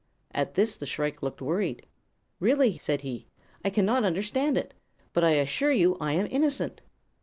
"At this the shrike looked worried. "'Really,' said he, 'I cannot understand it. But I assure you I am innocent.'